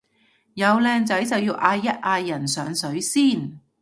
有靚仔就要嗌一嗌人上水先